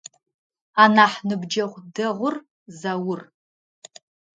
Анахь ныбджэгъу дэгъур Заур.